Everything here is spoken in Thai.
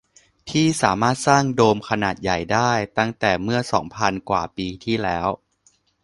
ที่สามารถสร้างโดมขนาดใหญ่ได้ตั้งแต่เมื่อ สอง พันกว่าปีที่แล้ว